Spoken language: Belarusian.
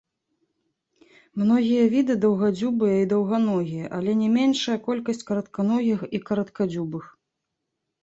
Многія віды даўгадзюбыя і даўганогія але не меншая колькасць каратканогіх і караткадзюбых.